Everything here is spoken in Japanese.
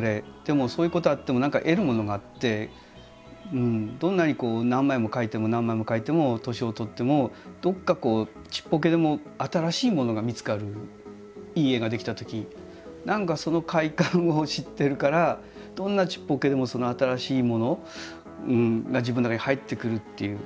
でもそういうことあっても何か得るものがあってどんなにこう何枚も描いても何枚も描いても年を取ってもどっかちっぽけでも新しいものが見つかるいい絵が出来たとき何かその快感を知ってるからどんなちっぽけでもその新しいものが自分の中に入ってくるっていう。